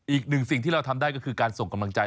อีกหนึ่งสิ่งที่เราทำได้ก็คือการส่งกำลังใจ